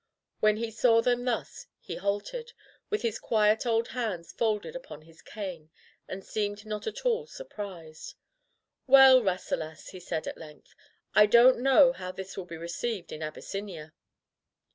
When he saw them thus, he halted, with his quiet old hands folded upon his cane, and seemed not at all surprised. "Well, Rasselas," he said at length, "I don't know how this will be received in Abyssinia."